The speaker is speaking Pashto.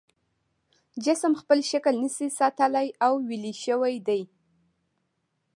جسم خپل شکل نشي ساتلی او ویلې شوی دی.